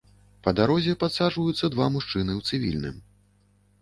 Па дарозе падсаджваюцца два мужчыны ў цывільным.